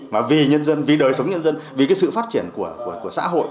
mà vì nhân dân vì đời sống nhân dân vì cái sự phát triển của xã hội